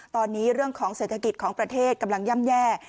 ตอนนี้เรื่องของเศรษฐกิจของประเทศกำลังย่ำแย่